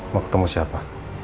mau ketemu siapa